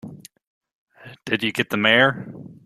Did you get the Mayor?